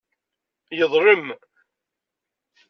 Yeḍlem.